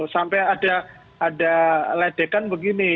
sampai ada ledekan begini